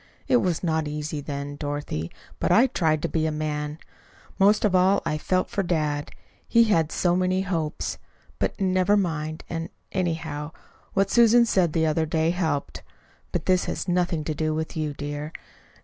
It was not easy then, Dorothy, but I tried to be a man. Most of all I felt for dad. He'd had so many hopes But, never mind; and, anyhow, what Susan said the other day helped But this has nothing to do with you, dear.